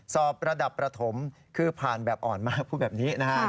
ระดับประถมคือผ่านแบบอ่อนมากพูดแบบนี้นะฮะ